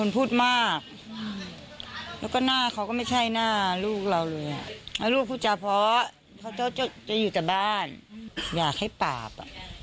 พวกเราจะอยู่จากบ้านอยากให้ปราบ